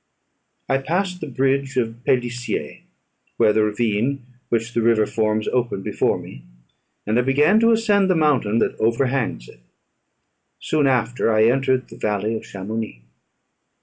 I passed the bridge of Pélissier, where the ravine, which the river forms, opened before me, and I began to ascend the mountain that overhangs it. Soon after I entered the valley of Chamounix.